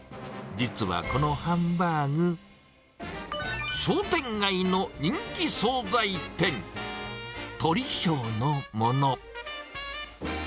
実はこのハンバーグ、商店街の人気総菜店、鳥正のもの。